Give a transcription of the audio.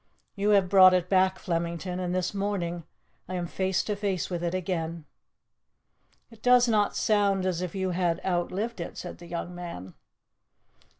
You have brought it back, Flemington, and this morning I am face to face with it again." "It does not sound as if you had outlived it," said the young man.